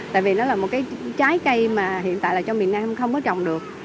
tại vì nó là một cái trái cây mà hiện tại là cho miền nam không có trồng được